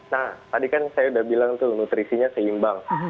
nah tadi kan saya udah bilang tuh nutrisinya seimbang